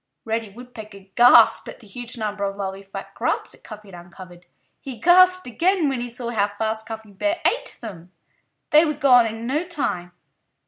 Reddy Woodpecker gasped at the huge number of lovely fat grubs that Cuffy had uncovered. He gasped again when he saw how fast Cuffy Bear ate them. They were gone in no time.